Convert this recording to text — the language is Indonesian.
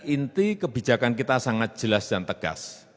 inti kebijakan kita sangat jelas dan tegas